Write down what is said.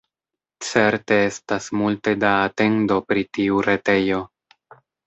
Certe estas multe da atendo pri tiu retejo.